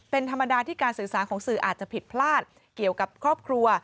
เป็นธรรมดาที่การสื่อสารของสื่ออาจจะผิดพลาดเกี่ยวกับครอบครัว